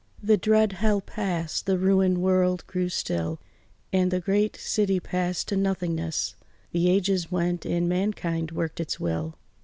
The dread hell passed, the ruined world grew still, And the great city passed to nothingness: The ages went and mankind worked its will.